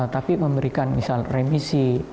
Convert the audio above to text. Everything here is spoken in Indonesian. tapi memberikan misal remisi